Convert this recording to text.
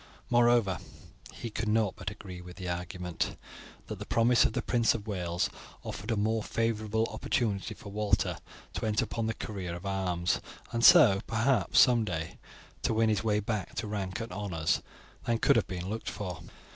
Moreover, he could not but agree with the argument, that the promise of the Prince of Wales offered a more favourable opportunity for Walter to enter upon the career of arms and so, perhaps, someday to win his way back to rank and honours than could have been looked for.